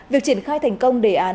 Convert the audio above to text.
việc triển khai thành công đề án